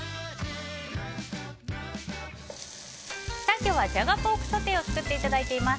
今日はジャガポークソテーを作っていただいています。